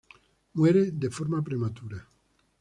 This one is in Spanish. Muere de forma prematura.